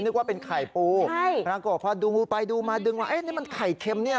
นึกว่าเป็นไข่ปูใช่ปรากฏพอดูไปดูมาดึงมาเอ๊ะนี่มันไข่เค็มเนี่ย